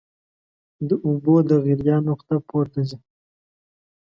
د اوبو د غلیان نقطه پورته ځي.